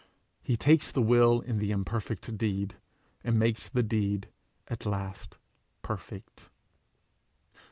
He takes the will in the imperfect deed, and makes the deed at last perfect.